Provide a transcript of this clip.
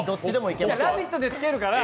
いや、「ラヴィット！」でつけるから。